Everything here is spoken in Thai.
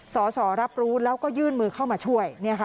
สอสอรับรู้แล้วก็ยื่นมือเข้ามาช่วย